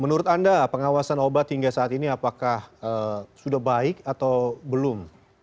menurut anda pengawasan obat hingga saat ini apakah sudah baik atau belum